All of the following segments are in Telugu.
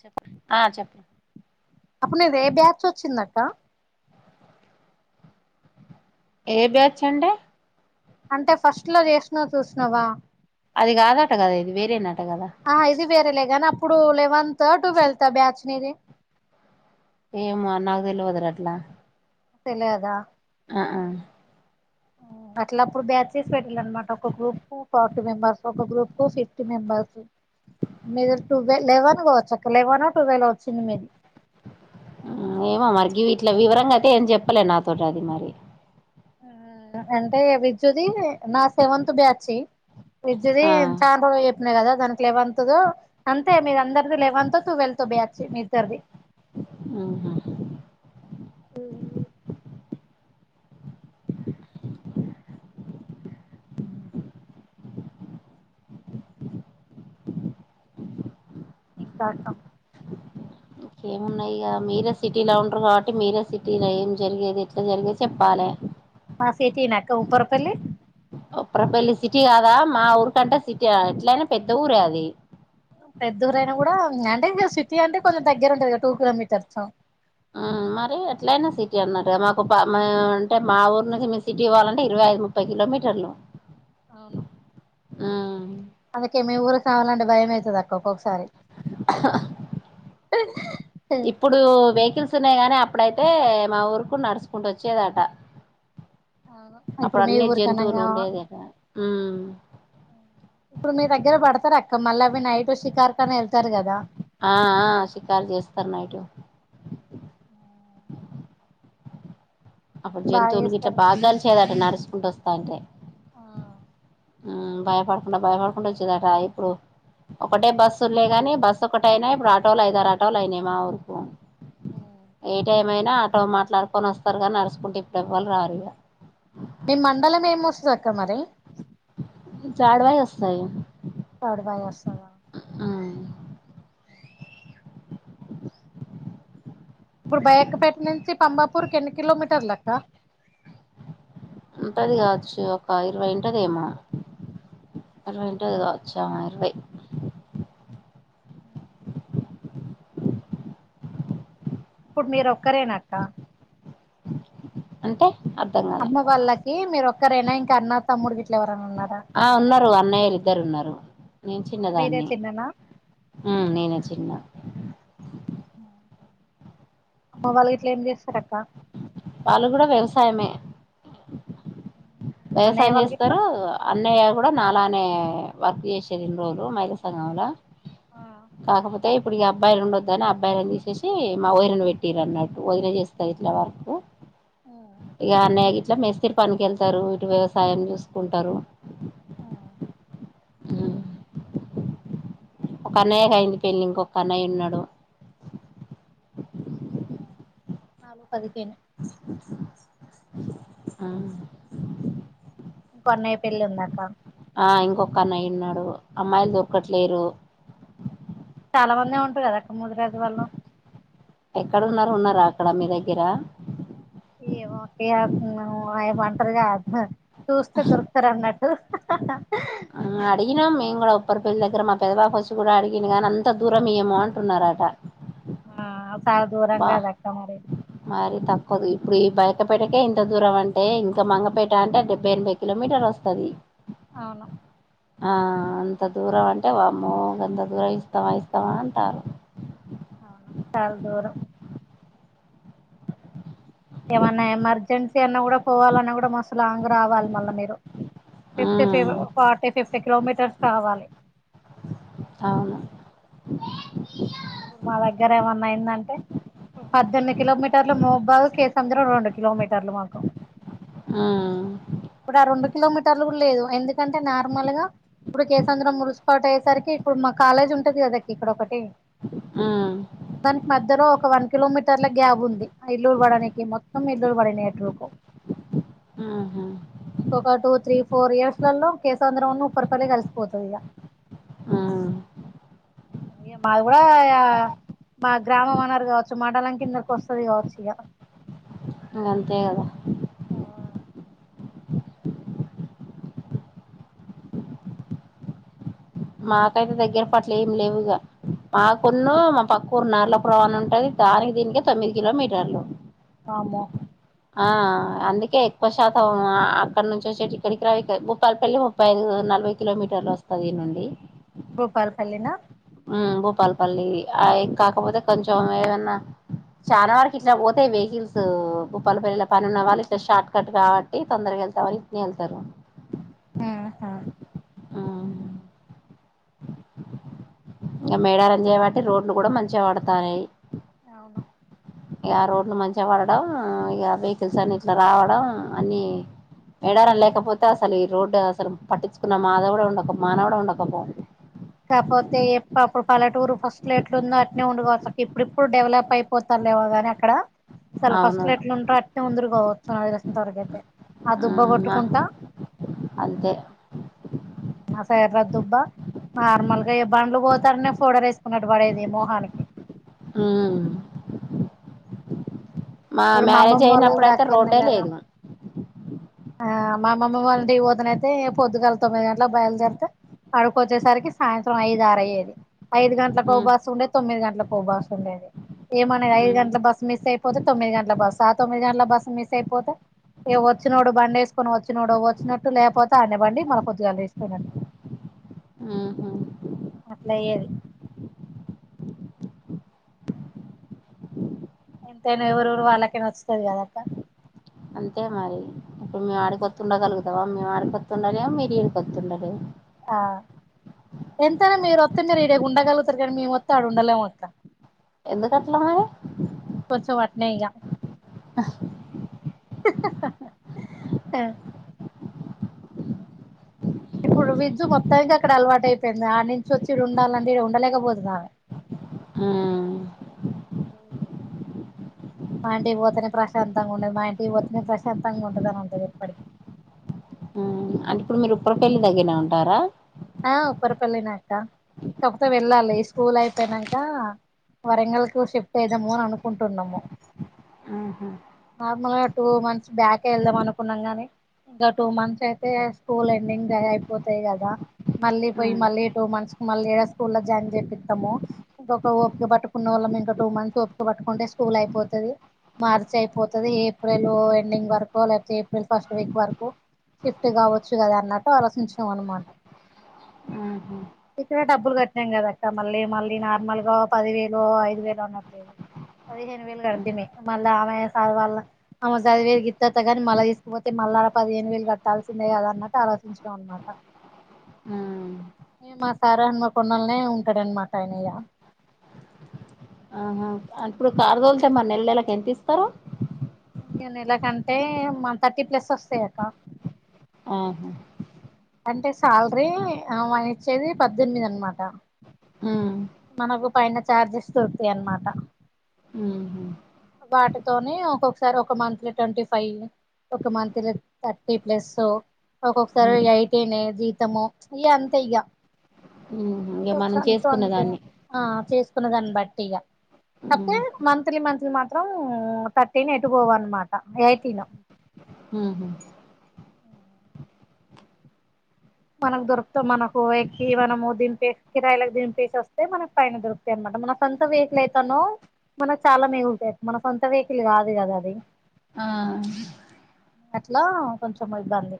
చెప్ప ఆ చెప్పు అప్పుడు నీది ఏ బ్యాచ్ వచ్చిందక్క ఏ బ్యాచ్ అంటే అంటే ఫస్ట్ లో చేసినవ్ చూసినావా అది కాదాట కదా ఇది వేరే నట ఆ ఇది వేరేలే కానీ అప్పుడు లెవెన్త్ ట్వెల్త్ బ్యాచ్ నీది ఏమో నాకు తెలియవదుర అట్లా తెలియదా ఆ ఆ ఆఓ అట్లా అప్పుడు బ్యాచెస్ పెట్టాలే మాకు ఒక గ్రూప్ కు ఫార్టీ మెంబర్స్ ఒక గ్రూప్ కు ఫిఫ్టీ మెంబెర్స్ మీరు టువ లెవెన్ కావచ్చుక్క లెవెన్ టువెల్వ వచ్చింది మీది ఏమో మరి గీవీట్ల వివరంగా అయితే ఏం చెప్పలేదు నాతోటి అది మరి అంటే ది నా సెవెంతత్ బ్యాచ్ది ఆ చా న్నాయి కదా దానికి లేవెంత్గా అంతే మీ అందరిదీ లేవెంత్ ట్వెల్త్ బ్యాచ్ మీ ఇద్దరిది ఆహా ఉహూ ఇంకా కం ఇంకేమున్నాయి ఇక మీరే సిటీలో ఉంటరు కాబట్టి మీరే సిటీలో ఏం జరిగేది ఎట్లా జరిగేది చెప్పాలి బా సిటీనక్క ఉప్పరపల్లి ఉప్పర్ పల్లి సిటీ కాదా మా ఊరు కంటే సిటీ ఎట్లయినా పెద్ద ఊరే అది పెద్దఊరైనా కూడా అంటే సిటీ అంటే కొంచెం దగ్గర ఉంటుంది కదా టూ కిలోమీటర్స్ మరి ఎట్లయినా సిటీ అన్నట్ మాకు అంటే మా ఊరు నుంచి మీ సిటీ పోవలంటే ఇరవై అది ముప్పై కిలోమీటర్లు అవును మ్మ్ అందుకే మీ ఊర రావాలంటే భయము అయితది అక్క ఒక్కొక్కసారి ఇప్పుడు వెహికల్స్ ఉన్నాయి కగాని అప్పుడైతే మా ఊరుకు నడుచుకుంటూ వచ్చేదట అవును ఇప్పుడు అప్పుడు మీ అన్ని ఊరి జంతువులు కనంగా ఉండేది కదా ఉ ఇప్పుడు మీ దగ్గర పడతారు అక్క మళ్ళీ అవి నైట్ షికార్ఖనే వెళ్తారు కదా ఆ ఏ షికారు చేస్తారు నైటు అప్పుడు బాగా జంతువులకి ఇట్లా చేస్తారు భాగాలు చేదట నడుచుకుంటూ వస్తాంటే ఆ భయపడకుండా భయపడకుండా వచ్చేదక ఇప్పుడు ఒకటే బస్ ఉన్డే గాని బస్సు ఒకట అయినా ఇప్పుడు ఆటోలు అయిదారు ఆటోలు అయినాయి మా ఊరుకు హ మైన అటో మాట్లాడుకొని వస్తారు కానీ నడుచకుంటే ఇప్పుడు ఎవవాళ రారు ఇగా మీ మండలం ఏమి వస్తుంది అక్క మరి చడవాయ వస్తాయి చడబాయ వస్తాద ఉమ్ ఇప్పుడు బయకపేట నుంచి పంబాపూర్ కి ఎన్ని కిలోమీటర్లలక్క ఉంటది కావచ్చు ఒక ఇరవై ఉంటదేమో అరవై ఉంటది గాచ ఇరవై ఇప్పుడు మీరు ఒక్కరేనక్క అంటే అర్థం కాలే అమ్మ వాళ్ళకి మీరు ఒక్కరేన ఇంక అన్న తమ్ముడికి గిట్ల ఎవరైన ఉన్నార అన్నయలు ఇద్దరు ఉన్నారు నేను మీరే చిన్నదాన్ని చిన్ననా నేనే చిన్న అమ్మ వాళ్ళ ఇట్ల ఏం చేస్తారక్క వాళ్ళు కూడ వ్యవసాయమే అన్నయ్య వ్యవసాయం వాళ్ళు గిట్లా చేస్తరు అన్నయ్య కూడ నాలానే వర్క్ చేసేది ఇన్ని రోజులు మైద సంఘంలా ఆ కాకపో తే ఇప్పుడు ఈ అబ్బాయిలు ఉండొద్ద అని అబ్బాయిలను తీసేసి మా వయిరిని పెట్టిర అన్నట్టు వదిన చేస్తారు ఇట్ల వర్కు ఆ ఇక అన్నయ్య గిట్ల మేస్త్రీ పనికెళ్తారు ఇటు వ్యవసాయం చూసుకుంటారు ఆ ఆ ఒక అన్నయ్య కయింది పెళ్ళి ఇంకొక అన్నయ్య ఉన్నాడు [unintelligible] ఆ ఇంకో అన్నయ్య పెళ్లి ఉందాక ఆ ఇంకొక అన్నయ్య ఉన్నాడు అమ్మాయిలు దొరకట్లేరు చాలా మంది ఉంటరు కదా అక్క ముదురెడ్డి వాళ్ళు ఎక్కడ ఉన్నారు ఉన్నారా అక్కడ మీ దగ్గర కాదు చూస్తే దొరుకుతారు అన్నట్టు అడిగినాం మేము కూడ ఉప్పరిపళ్లి దగ్గర మా పెద్ద బాబ వచ్చి కూడ అడిగాను గానీ అంత దూరం ఏమో అంటున్నారట చాల దూరం గదక్క మరి కాదు ఇప్పుడు ఈ బయట పేటకే ఇంత దూరం అంటే ఇంకా మంగపేట అంటే డెబ్బై ఎనభై కిలోమీటర్ వస్తది అవును ఆ అంత దూరం అంటే వామ్మో ఇంత దూరం ఇస్తామ ఇస్తామా అంటారు అవును చాలా దూరం ఏమన్నా ఎమర్జెన్సీ అన్నా కూడ పోవాలన్నా కూడ మస్ లాంగ్ రావాలి మళ్ళా మీరు ఉమ్, ఫార్టీ ఫిఫ్టీ కిలోమీటర్స్ రావాలి అవును ఇప్పుడు మా దగ్గర ఏమన్నా అయిందంటే పద్దెనిమిది కిలోమీటర్లు మోబ కేసంద్రం రెండు కిలోమీటర్లు మాకు ఆ ఇప్పుడు ఆ రెండు కిలోమీటర్లు కూడ లేదు ఎందుకంటే నార్మల్ గా ఇప్పుడు కేసాంద్రం మురు పాట్ అయ్యేసరికి ఇప్పుడు మా కాలేజ్ ఉంటది కదా ఇక్కడ ఒకటి ఉమ్, దనికి మధ్యలో ఒక వన్ కిలోమీటర్ల గ్యాబ్ ఉంది ఆ ఇల్లురు పడనికి మొత్తం ఇల్లూరు పడి నేట్వర్కు ఆహా ఇంకొక టూ త్రీ ఫోర్ ఇయర్స్ లలో కేేశంంద్రం ఉప్పరపల్లి కలిసిపోతుంది ఇక ఆ ఏయ మాది కూడా మా గ్రామం అన్నారు కావచ్చు మండలాం కిందకి వస్తది కావచ్చు ఇగ ఇగ అంతే కదా మాకైతే దగ్గర పట్లు ఏమి లేవుగా మా మాకు మా పక్క పరు నార్ల ప్రవాణ ఉంటుది దానికి దీనికి తొమ్మిది కిలోమీటర్లు వామ్మో ఆ అందుకే ఎక్కువ శాతం అక్కడి నుంచి వచ్చే ఇక్కడికి రా భూపాలపల్లి ముప్పై ఐదు నలభై కిలోమీటర్లు వస్తుది ఈ నుండి భూపాలపల్లి న మళ్ళీ ఆ కాకపోతే కొంచెం ఏమన్నా చాలా వరకు ఇట్లా పోతాయి వెహికల్స్ భూపాలపల్లి పని ఉన్న వాళ్ళు ఇట్లా షార్ట్ కట్ కాబట్టి తొందరగా కొంతమంది ఇట్లనే వెళ్తారు ఆహా అ ఇంకా మేడారం చేయబట్టి రోడ్లు కూడా మంచిగా పడతన్నే అవును ఇక రోడ్లు మంచిగా పడడం ఇక వెహికల్స్ అన్ని ఇట్లా రావడం అన్ని వేడారం లేకపోతే అసలు ఈ రోడ్డు అసలు పట్టించుకున్న మా దేవుడు కూడా ఉండకు మానవు కూడా ఉండకు పోవు సమయం కాకపోతే అప్పుడు పల్లెటూరు ఫస్ట్ లో ఎట్లా ఉందో ఎట్లా ఉండిపోతా ఇప్పుడు ఇప్పుడు డెవలప్ అయిపోతుంది లేవో కాని అక్కడ అసలు ఫస్ట్ అవును లో ఎట్లు ఉంటో ముందరు కావచ్చు అదిసినంత వరకు అయితే ఆ దుబ్బ కొట్టుకుంటా ఆదే అసలే ఎరదుబ్బా నార్మల్గా బండ్లు పోతారనే పౌడర్ వేసుకున్నట్టు పడేది మోహానికి ఆ ఇప్పుడు అమ్మమ్మ వాళ్ళ కూడా అయినప్పుడైతే అక్కడే రోడ్డే కదా లేదు ఆ మా అమ్మమ్మ వాళ్ళ ఇంటికి పోతే పొద్దుగాల తొమ్మిది గంటలకు బయలుదేరతే ఆడికి వచ్చేసరికి సాయంత్రం ఐదు ఆరు అయ్యేది ఐదు గంటలకు ఒక ఉమ్, బస్సు ఉండేది తొమ్మిది గంటలకు ఒక బస్సు ఉండేది ఏమ ఐదు ఉమ్, గంటల బస్సు మిస్ అయిపోతే తొమ్మిది గంటల బస్ ఆ తొమ్మిది గంటల బస్సు మిస్ అయిపోతే ఇగ వచ్చిననోడు బండి వేసుకొని వచ్చినోడు వచ్చినట్టు లేకపోతే ఆడ్నే పండి పొద్దుగాల లేచి పోవడం ఆ హు అయ్యేది ఎంతైనా ఎవరు ఊరు వాళ్ళకై నచ్చుతది కదా అంతే మరి ఇప్పుడు మేము ఉండగలుగుతామా వాడికత్తే ఉండలేరు మేము ఏడికి వస్తే ఉండలేము ఈడికొతుండాల ఆ ఎంతనా మీరు ఆతే మీరు ఈడ ఉండగలుగుతారు కానీ మేముస్త ఆడ ఉండలేము అక్క ఎందుకట్లా మరి కొంచెం అట్నేయగా ఆ ఇప్పుడు విజ్యు మొత్తానికి అక్కడ అలవాటు అయిపోయింది ఆడి నుంచి వచ్చి ఈడ ఉండాలండి ఉండలేకపోతుంది ఆమె ఉ మా ఇంటి పోతనే ప్రశాంతంగా ఉండదు మా ఇంటి పోతనే ప్రశాంతంగా ఉంటద అనింటంది ఎప్పటికీ అంటే ఇప్పుడు మీరు ఉప్పురపల్లి దగ్గరనే ఉంటారా ఆ ఉప్పరపల్లి నే అక్క కాకపోతే వెళ్ళాలి స్కూల్ అయిపోనాక వరంగల్ కు షిఫ్ట్ అయితము అని అనుకుంటున్నాము ఉమ్హు, నార్మల్ గా టూ మంత్స్ బ్యాక్ వెళ్దాం అనుకున్నాం గాని ఇంకా టూ మంత్స్ అయితే స్కూల్ ఎండింగ్ అయిపోతాయి కదా మళ్ళీ పోయి ఉమ్, మళ్ళీ టూ మంత్స్ మళ్ళీ ఏ స్కూల్ లో జాయిన్ చేపిస్తాము ఇంకొ ఓపిక పట్టుకున్న వాల్ల ఇంకా టూ మంత్స్ ఓపిక పట్టుకుంటే స్కూల్ అయిపోతుంది మార్చి అయిపోతుది ఏప్రిల్ ఎండింగ్ వరకు లేకపోతే ఏప్రిల్ ఫస్ట్ వీక్ వరకు షిఫ్ట్ కావచ్చు కదా అన్నట్టు ఆలోచించినం అన్నమాట ఉ హు డబ్బులు కట్టినం కదా అక్క మళ్ళీ మళ్ళీ నార్మల్ గా పది వేలు ఐదు వేలు అన్నట్లేదు పదిహేను వేలు ఉమ్, కడితిమి మళ్ళీ ఆమె వాళ్ళ అ చదివేది గిత్తత్త గాని మళ్ళా తీసుకుపోతే మల్ల ఆడ పదిహేను వేలు కట్టాల్సిందే కదా అన్నట్టు ఆలోచించుకోం అన్నమాట ఉమ్. మా సార్ హన్మా కొండల్నే ఉంటాడనమాట ఆయన ఇ ఆహా ఇప్పుడు కారుదోలితే మరి నెల్లేళకి ఎంత ఇస్తారు ఇగ నెల కంటే మన్ థర్టీ ప్లస్ వస్తాయక్క ఆహా అంటే శాలరీ మని ఇచ్చేది పద్దెనిమిది అన్న మాట ఉమ్ మనకు పైన చార్జెస్ దొరుతాయి అన్నమాట ఉహు వాటితోనే ఒకోకసారి ఒక మంత్లీ ట్వంటీ ఫైవ్ ఒక మంత్ లో థర్టీ ప్లస్ ఒక్కొక్కసారి ఏయిటీనే జీతము ఇ అంతే ఇగ ఉహు ఇగ ఒక మనం సంత చేసుకునే ఉంటే దాన్ని ఆ చెసు దాన్ని బట్టి ఇగ కాపోతే ఉమ్ మంత్లీ మంత్లీ మా మాం తర్టీన్ ఎటుపోఅన్నమాట ఎయిటిన్ ఉహు మనకు దొరుకుతాం మనకు ఎక్కి మనము దింపేసి కిరాయయికి దింపేసి వస్తే మనకి పైన దొరుకుతాయి అన్నమా మన సొంత వెహికల్ అయితానో మనకు చాలా మిగులుతాయి మన సొంత వెహకిల్ కాదు కదా అది ఆ అట్లా కొంచెం ఇబ్బంది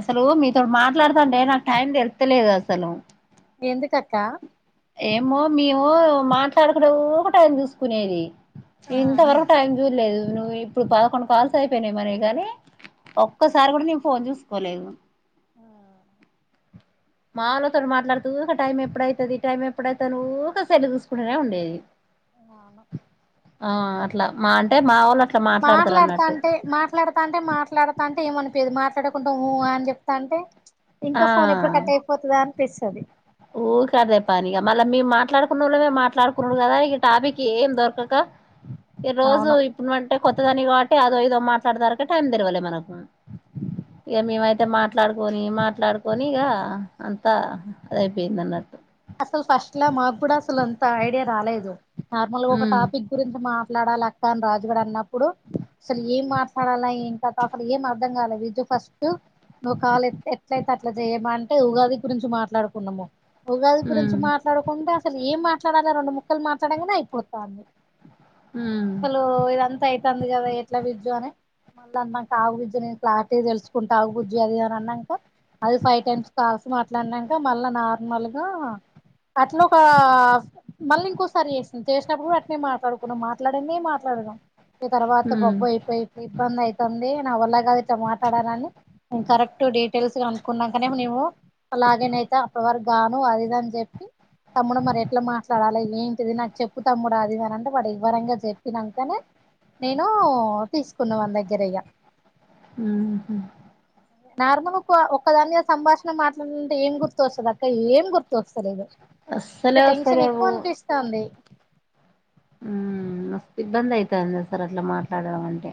అసలు మీతోమాట్లాడుతాఆంటే నాకు టైమ్ తెలుస్తలేదు అసలు ఎందుకక్క ఏమో మేము మాట్లాడకుంట ఊక టైమ్ చూసుకునేది ఆ ఇంతవరకు టైం చూడలేదు నువ్వు ఇప్పుడు పదకొండు కాల్స్ అయిపోయినామని గాని ఒక్కసారి కూడా నేను ఫోన్ చూసుకోలేదు ఆ మాలోతోని మాట్లాడుతూఊక టైం ఎప్పుడైతుంది టైం ఎప్పుడైత ఊక సె ఇప్పుడనే ఉండేది ఆను ఆ అట్లా మా అంటే మా వాళ్ళ మాట్లాడుతాంటే మాట్లాడుతా అంటే మాట్లాడుతా అంటే ఏమనిపేది మాట్లాడు కుంటు ఉ అని చెప్తా అంటే ఆ ఇంకా ఫోన్ ఎప్పుడు కట్ అయిపోతుందా అనిపిస్తుంది ఊ కదే పనిగా మళ్ళీ మేము మాటాడుకున్నళ్ళు మేము మాట్లాడుకున్డు కదా ఇక టాపిక్ ఏం దొరకక ఈ రోజు అవును ఇప్పుడుంటే కొత్త దాని కాబట్టి అదో ఇదో మాట్లాడతక టైం తిరవాలి మనకు ఇగ మేమైతే మాట్లాడుకొని మాట్లాడుకొని ఇగ అంతా అదయిపోయింది అన్నట్టు అసలు ఫస్ట్ లా మాకు కూడా అసలు అంత ఐడియా రాలేదు నార్మల్ గా ఒక ఉమ్ టాపిక్ గురించి మా మాట్లాడాలి అక్క అని రాజు కూడా అన్నప్పుడు అసలు ఏం మాట్లాడాలి ఎం కథ అసలు ఏం అర్థం కాలేదు ఫస్ట్ నువ్వు కాలు ఎట్లయితే అట్లా చేయమా అంటే ఉగాది గురించి మాట్లాడుకున్నాము ఉగా గురించి ఉమ్ మాట్లాడుకుంటే అసలు ఏం మాట్లాడాలలో రెండు ముక్కలు మాట్లాడనే అయిపోతాంది ఉమ్ అసలు ఇదంతా అవుతుంది కదా ఎట్లా విజు అని మళ్ళీ అన్నాక ఆబుజ్జినే క్లారిటీ తెలుసుకుంటా ఆగు బుజ్జి అది ఇది అన్నాంక అది ఫైవ్ టైమ్స్ కాల్సి మాట్లాడినాక మళ్ళా నార్మల్ గా అట్లా ఒక మళ్ళీ ఇంకోసారి చేసింది చేసినప్పుడు అట్నే మాట్లాడుకున్నాం మాట్లాడ తప్పదు గా ఈ తర్వాత బొబ్బు ఉమ్ అయిపోయి ఇబ్బంది ఐతంది నా వల్ల కాదు ఇట్లా మాట్లాడాలని నేను కరెక్ట్ డీటెయిల్స్ గానుకున్నాకానే మేము అలాగేనయితే అప్పటి వరకు గాను అదిఇదని చెప్పి తమ్ముడు మరి ఎట్లా మాట్లాడాలి ఏంటిది నాకు చెప్పు తమ్ముడు అది అని అంటే వాడు ఇవరంగా చెప్పినాకనే నేను తీసుకున్నవాని దగ్గరయ్యా ఉహూ నార్మల్ ఒకక్కదానిద సంభాషణ మాట్లాడాలంటే ఏం గుర్తొస్తుంది అక్క ఏం గుర్తుస్తుంది ఇది ఇంకా అస్సలే టెన్షన్ వస్తలేవు ఎక్కువ అనిపిస్తుాంది హ్మ్మ్ మస్తు ఇబ్బంది అవుతుంది సార్ అట్లా మాట్లాడడం అంటే